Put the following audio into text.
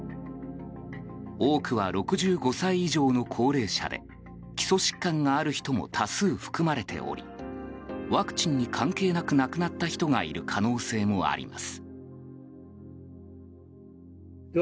多くは６５歳以上の高齢者で基礎疾患がある人も多数含まれておりワクチンに関係なく亡くなった人がいる可能性もあります。